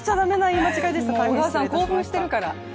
小川さん、興奮してるから。